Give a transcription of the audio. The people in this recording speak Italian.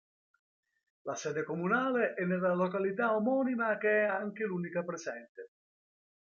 La sede comunale è nella località omonima che è anche l'unica presente.